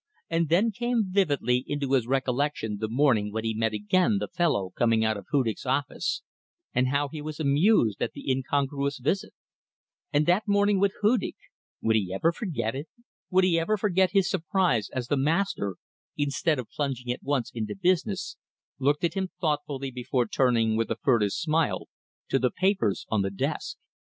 And then came vividly into his recollection the morning when he met again that fellow coming out of Hudig's office, and how he was amused at the incongruous visit. And that morning with Hudig! Would he ever forget it? Would he ever forget his surprise as the master, instead of plunging at once into business, looked at him thoughtfully before turning, with a furtive smile, to the papers on the desk?